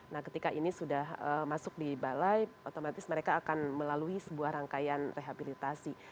nah ketika ini sudah masuk di balai otomatis mereka akan melalui sebuah rangkaian rehabilitasi